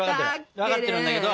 分かってるんだけど。